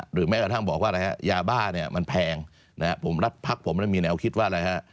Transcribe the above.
หรือแม้กระทั่งบอกว่ายาบ้าเนี่ยมันแพงผมรัฐภักดิ์ผมมีแนวคิดว่า